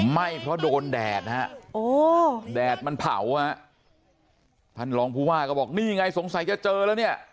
ไหม้เพราะโดนแดดนะฮะแดดมันเผาฮะท่านรองผู้ว่าก็บอกนี่ไงสงสัยจะเจอแล้วเนี่ย